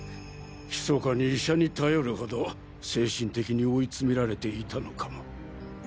ひそかに医者に頼るほど精神的に追い詰められていたのかも。